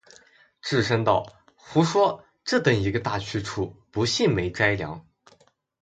智深道：“胡说，这等一个大去处，不信没斋粮。